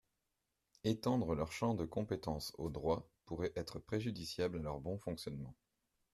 Étendre leur champ de compétence au droit pourrait être préjudiciable à leur bon fonctionnement.